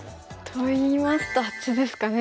といいますとあっちですかね。